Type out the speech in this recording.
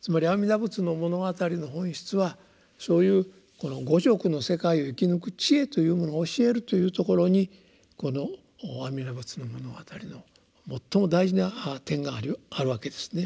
つまり「阿弥陀仏の物語」の本質はそういう五濁の世界を生き抜く智慧というものを教えるというところにこの「阿弥陀仏の物語」の最も大事な点があるわけですね。